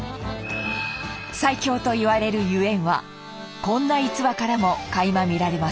最強と言われる所以はこんな逸話からもかいま見られます。